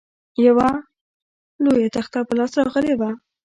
یوه لویه تخته په لاس راغلې وه.